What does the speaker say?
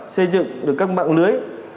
xây dựng được các mạng lưới